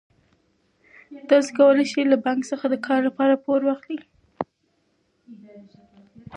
تاسو کولای شئ له بانک څخه د کار لپاره پور واخلئ.